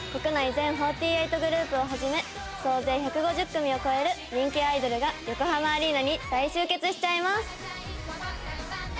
全４８グループをはじめ総勢１５０組を超える人気アイドルが横浜アリーナに大集結しちゃいます。